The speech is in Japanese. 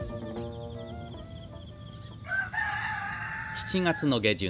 ７月の下旬